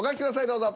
どうぞ。